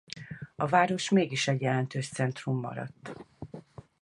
A város mégis egy jelentős centrum maradt.